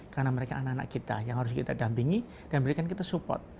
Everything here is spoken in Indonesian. karena mereka anak anak kita yang harus kita dampingi dan memberikan kita support